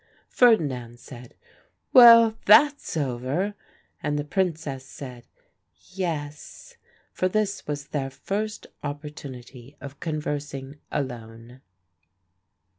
Ferdinand said, "Well, that's over;" and the Princess said, "Yes," for this was their first opportunity of conversing alone.